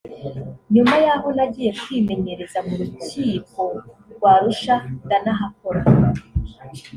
nyuma yaho nagiye kwimenyereza mu Rukiko rw’Arusha ndanahakora